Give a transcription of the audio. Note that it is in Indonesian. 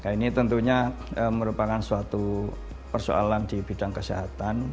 ini tentunya merupakan suatu persoalan di bidang kesehatan